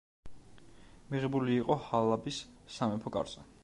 მიღებული იყო ჰალაბის სამეფო კარზე.